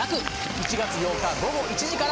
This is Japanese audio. １月８日ごご１時から。